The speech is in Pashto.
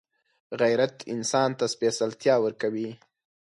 غیرت انسان ته سپېڅلتیا ورکوي